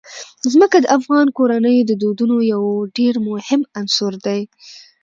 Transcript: ځمکه د افغان کورنیو د دودونو یو ډېر مهم عنصر دی.